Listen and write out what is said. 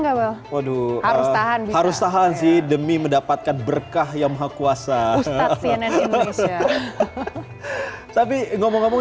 nyawa waduh harus tahan sih demi mendapatkan berkah yang maha kuasa tapi ngomong ngomong